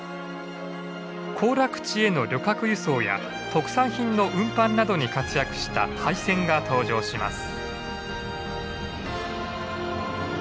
行楽地への旅客輸送や特産品の運搬などに活躍した廃線が登場します。